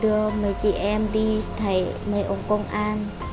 đưa mấy chị em đi thấy mấy ông công an